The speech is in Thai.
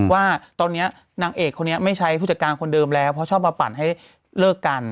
ว่าตอนนี้นางเอกคนนี้ไม่ใช้ผู้จัดการคนเดิมแล้วเพราะชอบมาปั่นให้เลิกกัน